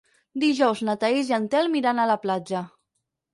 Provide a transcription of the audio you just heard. Dijous na Thaís i en Telm iran a la platja.